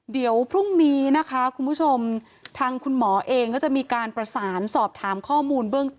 เดี๋ยวพรุ่งนี้นะคะคุณผู้ชมทางคุณหมอเองก็จะมีการประสานสอบถามข้อมูลเบื้องต้น